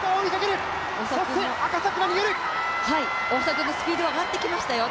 君スピード上がってきましたよ